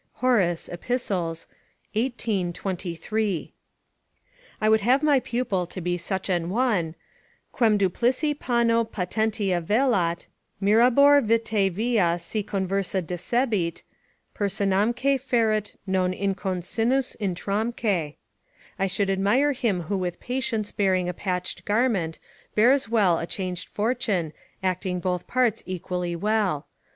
Horace, Ep., xvii. 23.] I would have my pupil to be such an one, "Quem duplici panno patentia velat, Mirabor, vitae via si conversa decebit, Personamque feret non inconcinnus utramque." ["I should admire him who with patience bearing a patched garment, bears well a changed fortune, acting both parts equally well."